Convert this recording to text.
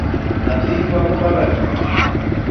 Nyathi yuago babagi?